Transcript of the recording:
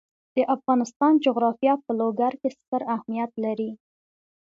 د افغانستان جغرافیه کې لوگر ستر اهمیت لري.